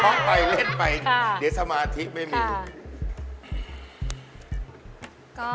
ไปเล่นไปเดี๋ยวสมาธิไม่มี